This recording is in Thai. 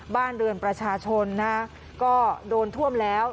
บ้านเรือนประชาชนนะก็โดนท่วมแล้ว